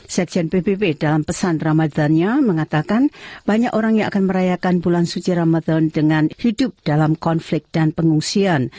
sekjen pbb dalam pesan ramadannya mengatakan banyak orang yang akan merayakan bulan suci ramadan dengan hidup dalam konflik dan pengungsian